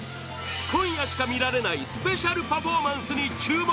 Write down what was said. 今夜しか見られないスペシャルパフォーマンスに注目！